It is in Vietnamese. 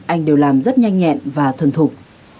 anh đều làm rất nhanh nhẹn và thuần thục